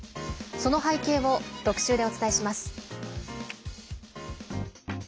その背景を特集でお伝えします。